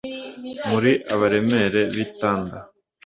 muri abaremere b’i tanda